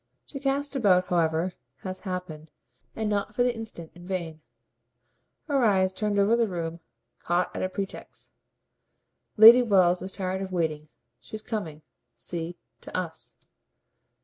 She cast about, however, as happened, and not for the instant in vain. Her eyes, turned over the room, caught at a pretext. "Lady Wells is tired of waiting: she's coming see to US."